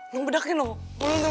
nong bedakin dong